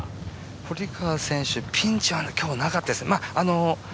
堀川選手、ピンチは今日はなかったです。